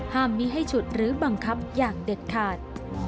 มิให้ฉุดหรือบังคับอย่างเด็ดขาด